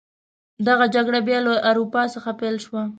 دغه جګړه بیا له اروپا څخه پیل شوه.